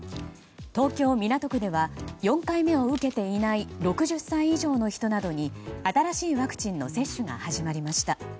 東京・港区では４回目を受けていない６０歳以上の人などに新しいワクチンの接種が始まりました。